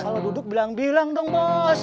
kalau duduk bilang bilang dong bos